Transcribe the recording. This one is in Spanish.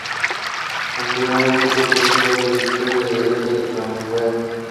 Anteriormente fue profesor de Historia de Grecia en Cambridge.